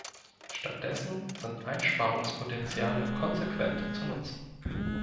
Stattdessen sind Einsparungspotentiale konsequent zu nutzen.